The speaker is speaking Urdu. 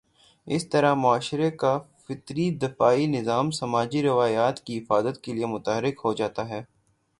اسی طرح معاشرے کا فطری دفاعی نظام سماجی روایات کی حفاظت کے لیے متحرک ہو جاتا ہے۔